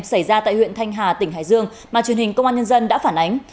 xảy ra tại huyện thanh hà tỉnh hải dương mà truyền hình công an nhân dân đã phản ánh